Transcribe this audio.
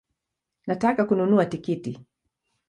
Nataka kununua tikiti